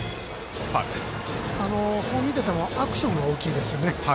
こう見ててもアクションが大きいですよね。